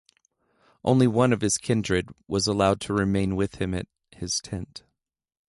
Only one of his kindred was allowed to remain with him at his tent.